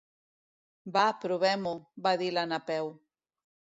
Va, provem-ho —va dir la Napeu—.